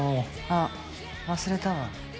あっ忘れたわ。